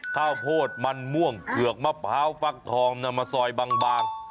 ข้าวโพดมันม่วงเผือกมะพร้าวฟักทองนำมาซอยบาง